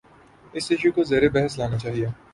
اس issue کو زیربحث لانا چاہیے۔